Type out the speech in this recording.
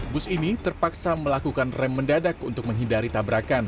bus ini terpaksa melakukan rem mendadak untuk menghindari tabrakan